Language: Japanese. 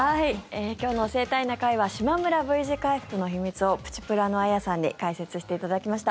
今日の「教えたいな会」はしまむらＶ字回復の秘密をプチプラのあやさんに解説していただきました。